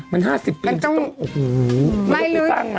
มัน๕๐ปีก็จะต้องอุ้โห